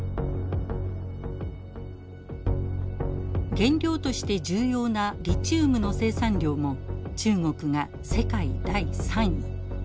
原料として重要なリチウムの生産量も中国が世界第３位。